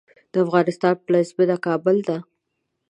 د افغانستان پلازمېنه کابل ده